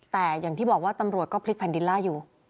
แต่อย่างที่บอกว่าตำรวจก็พลิกแผ่นดินล่าอยู่